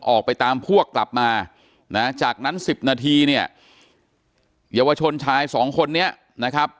ออกไปตามพวกกลับมานะจากนั้น๑๐นาทีเนี่ยเยาวชนชายสองคนนี้นะครับ